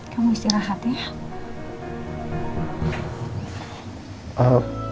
kamu istirahat ya